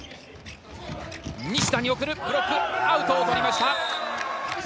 西田に送るブロックアウトを狙いました。